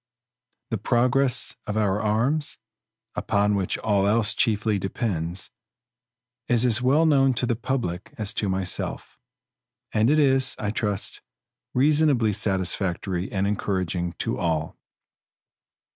The progress of our arms, upon which all else chiefly depends, is as well known to the public as to myself; and it is, I trust, reasonably satisfactory and encouraging to all.